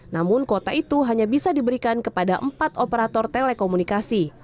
namun kuota itu hanya bisa diberikan kepada empat operator telekomunikasi